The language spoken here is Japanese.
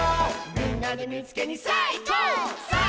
「みんなでみいつけにさあいこう！さあ！」